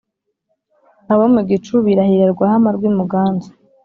Abo mu gicu birahira Rwahama rw'i Muganza